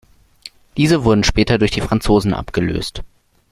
Diese wurden später durch die Franzosen abgelöst.